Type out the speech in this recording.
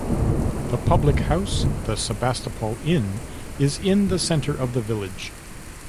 The public house, The Sebastopol Inn, is in the centre of the village.